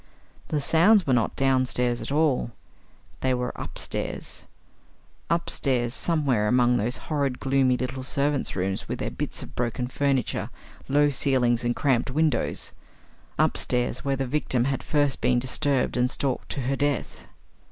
The sounds were not downstairs at all; they were upstairs upstairs, somewhere among those horrid gloomy little servants' rooms with their bits of broken furniture, low ceilings, and cramped windows upstairs where the victim had first been disturbed and stalked to her death.